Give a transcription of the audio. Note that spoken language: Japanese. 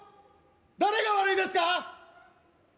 誰が悪いですか？